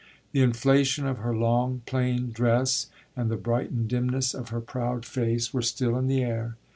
The inflation of her long plain dress and the brightened dimness of her proud face were still in the air.